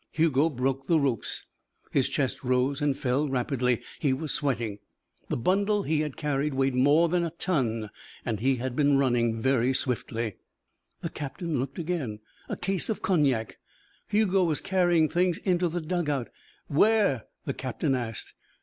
Hugo broke the ropes. His chest rose and fell rapidly. He was sweating. The bundle he had carried weighed more than a ton and he had been running very swiftly. The captain looked again. A case of cognac. Hugo was carrying things into the dug out. "Where?" the captain asked.